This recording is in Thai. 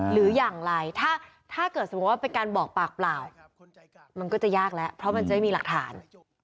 หรืออย่างไรถ้าเกิดสมมุติว่าเป็นการบอกปากเปล่ามันก็จะยากแล้วเพราะมันจะไม่มีหลักฐาน